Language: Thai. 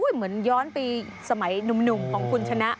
เหมือนย้อนไปสมัยหนุ่มของคุณชนะ